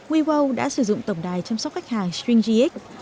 wewow đã sử dụng tổng đài chăm sóc khách hàng stringx